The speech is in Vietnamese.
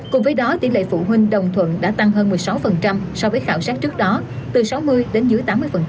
cùng với đó tỷ lệ phụ huynh đồng thuận đã tăng hơn một mươi sáu so với khảo sát trước đó từ sáu mươi đến dưới tám mươi